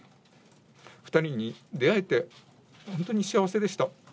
２人に出会えて本当に幸せでした。